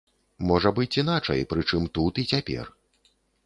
Можа быць іначай, прычым тут і цяпер.